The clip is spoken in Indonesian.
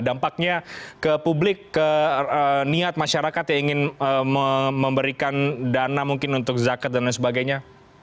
dampaknya ke publik ke niat masyarakat yang ingin memberikan dana mungkin untuk zakat dan lain sebagainya